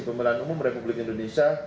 pemerintahan umum republik indonesia